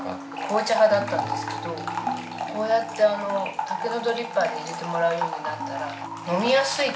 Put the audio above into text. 紅茶派だったんですけどこうやって竹のドリッパーで入れてもらうようになったら飲みやすい。